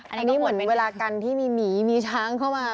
อันนี้เหมือนเวลากันที่มีหมีมีช้างเข้ามา